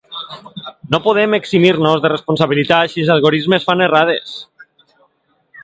No podem eximir-nos de responsabilitats si els algoritmes fan errades.